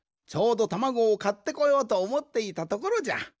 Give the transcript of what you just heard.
ちょうどたまごをかってこようとおもっていたところじゃ。